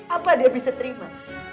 apa dia bisa terima